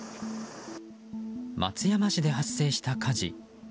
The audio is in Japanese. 松山市で発生した火事。